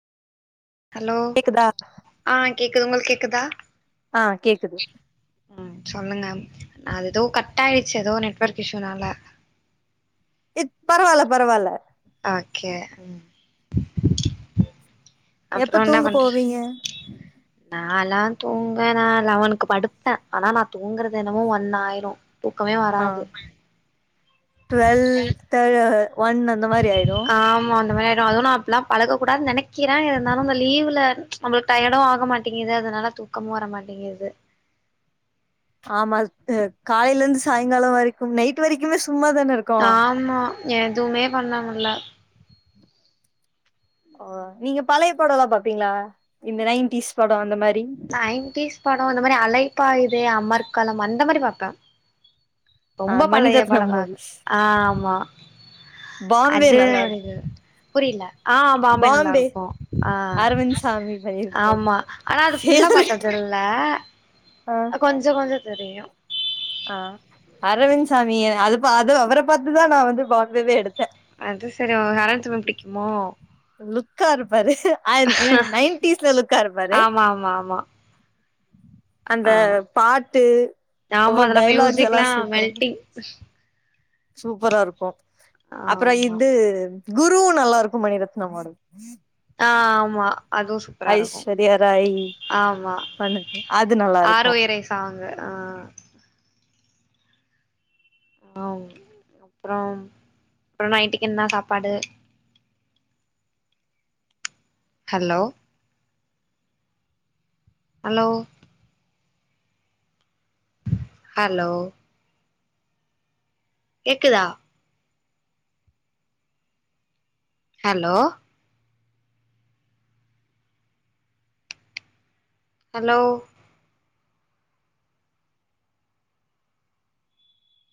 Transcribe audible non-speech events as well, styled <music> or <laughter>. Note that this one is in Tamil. ஹலோ கேக்குதா ஆ கேக்குது உங்களுக்கு கேக்குதா ஆ கேக்குது சொல்லுங்க அது ஏதோ கட் ஆயிர்ச்சி ஏதோ நெட்வொர்க் இஸ்யூனால இத் பரவால்ல பரவால்ல ஆகிய அப்பறோ எப்ப என்ன தூங்க பண்ற போவீங்க நாலா தூங்கன லெவனுக்கு படுத்த ஆனா நா தூங்கறது என்னமோ ஒன் ஆயிரு தூக்கமே ஆ வராது டுவெல் தேர்டு ஒன் அந்த மாரி ஆயிடு ஆமா அந்த மாரி ஆயிடு அதுவு நா அப்டி எல்லா பழகக்கூடாது நெனைக்கிற இருந்தாலு இந்த லீவ்ல அவங்களுக்கு டயர்டு ஆக மாட்டேங்கிது அதனால தூக்கமு வர மாட்டேங்கிது ஆமா காலேல இருந்து சாயங்காலோ வரைக்கு நைட் வரைக்குமே சும்மா தான இருக்கு ஆமா எதுமே பண்ண முடில ஓ நீங்க பழய படோ எல்லா பாப்பீங்களா இந்த நைன்டீஸ் படோ அந்த மாரி நைன்டீஸ் படோ இந்த மாரி அலைப்பாயுதே அமர்களம் அந்த மாரி பாப்பே ஆ ரொம்ப பழய மணிரத்னம் படபாத்த மூவிஸ் பாம்பே நல்லா இருக்கு புரில ஆ பாம்பே நல்லா இருக்கு ஆ அரவிந்த் சாமி பண்ணிருப்பாரு ஆமா ஆனா அது ஃபுல்லா பாத்தா ஃபேவரட் தெர்ல ஆ கொஞ்சோ கொஞ்சோ தெரியு ஆ அரவிந்த்சாமிய அதுப்ப அது அவர பாத்துதா நா வந்து <unintelligible> எடுத்தே அது செரி உ அரவிந்த் சாமி புடிக்குமோ லுக்காருப்பாரு ஐ இன் நைன்டீஸ்ல லுக்காருப்பாரு ஆமா ஆமா அந்த ஆ பாட்டு ஆமா ஒவ்வொரு அதுல டைலாக்ஸெல்லா மியூசிக்லா சூப்பரா மெல்டிங் சூப்பரா இருக்கு அப்றோ ஆமா இது குருவு நல்லா இருக்கு மணிரத்னமோட ஆமா அதுவு சூப்பரா இருக்கு ஐஸ்வர்யா ராய் ஆமா பண்ணுது அது நல்லா இருக்கு ஆருயிரே தாங்க ஆ ஆ அப்பறம் அப்றோ நைட்டுக்கு என்ன சாப்பாடு ஹலோ ஹலோ ஹலோ கேக்குதா ஹலோ ஹலோ